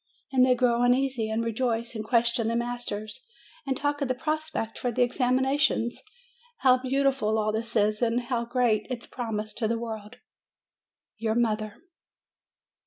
And they grow uneasy, and rejoice, and question the masters, and talk of the prospect for the examinations. How beautiful all this is, and how great its promise to the world! YOUR MOTHER.